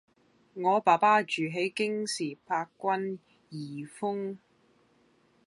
我爸爸住喺京士柏君頤峰